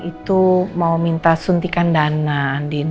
itu mau minta suntikan dana